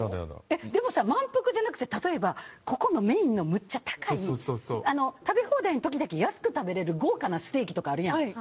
でもさ、満腹じゃなくて例えばここのメインのむっちゃ高いけど食べ放題の時だけ安く食べれる豪華なステーキとかあるやん。